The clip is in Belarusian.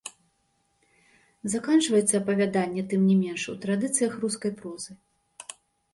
Заканчваецца апавяданне, тым не менш, у традыцыях рускай прозы.